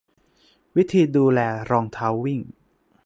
วิธีดูแลรองเท้าวิ่ง